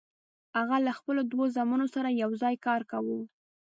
هغه له خپلو دوو زامنو سره یوځای کار کاوه.